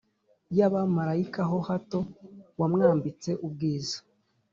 y abamarayika ho hato Wamwambitse ubwiza